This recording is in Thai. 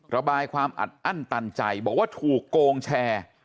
ระบายความอัดอั้นตันใจบอกว่าถูกโกงแชร์